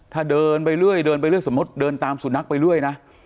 ถ้าเดินไปเรื่อยเดินไปเรื่อยสมมุติเดินตามสุนัขไปเรื่อยนะ